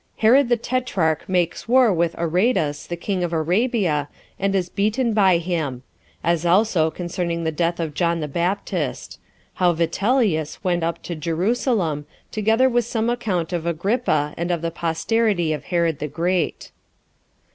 Herod The Tetrarch Makes War With Aretas, The King Of Arabia, And Is Beaten By Him As Also Concerning The Death Of John The Baptist. How Vitellius Went Up To Jerusalem; Together With Some Account Of Agrippa And Of The Posterity Of Herod The Great.